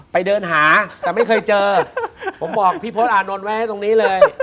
ไปเดินหาแต่ไม่เคยเจอผมบอกพี่พศอานนท์ไว้ตรงนี้เลย